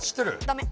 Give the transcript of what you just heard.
ダメ！